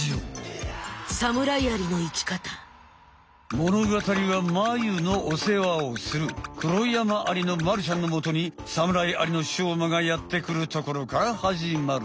ものがたりはマユのお世話をするクロヤマアリのまるちゃんのもとにサムライアリのしょうまがやってくるところから始まる。